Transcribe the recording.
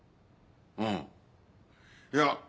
うんいや。